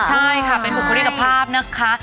ใช่ค่ะเป็นบุคลิกภาพนะคะ